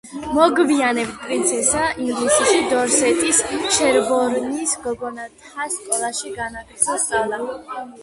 მოგვიანებით პრინცესა ინგლისში, დორსეტის შერბორნის გოგონათა სკოლაში განაგრძო სწავლა.